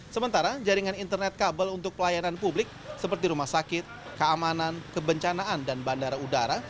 sementara jaringan internet kabel untuk pelayanan publik seperti rumah sakit keamanan kebencanaan dan bandara udara